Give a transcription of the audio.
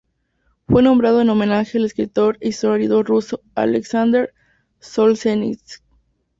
Fue nombrado en homenaje al escritor e historiador ruso Aleksandr Solzhenitsyn.